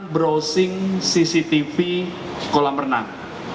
browsing cctv sekolah berenang